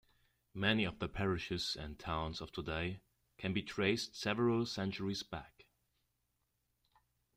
Many of the parishes and towns of today can be traced several centuries back.